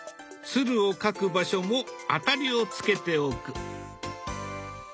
鶴を描く場所もあたりをつけておく。